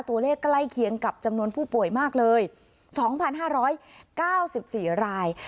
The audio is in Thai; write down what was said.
ใกล้เคียงกับจำนวนผู้ป่วยมากเลย๒๕๙๔ราย